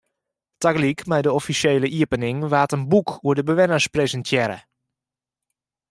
Tagelyk mei de offisjele iepening waard in boek oer de bewenners presintearre.